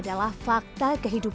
pakai dia pakai dia